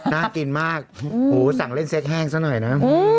น่ากินมากหูสั่งเล่นเซ็กแห้งซะหน่อยนะ